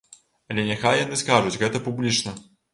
Але няхай яны скажуць гэта публічна.